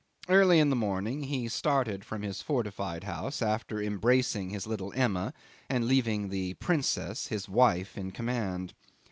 Early in the morning he started from his fortified house, after embracing his little Emma, and leaving the "princess," his wife, in command.